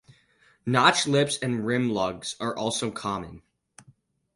Notched lips and rim lugs are also common.